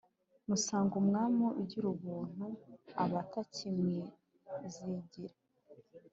Musanga umwami ugira Ubuntu abatakimwizigira